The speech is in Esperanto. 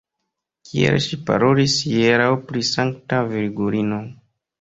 Kiel ŝi parolis hieraŭ pri Sankta Virgulino.